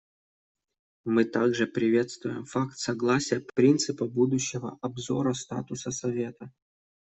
Мы также приветствуем факт согласования принципа будущего обзора статуса Совета.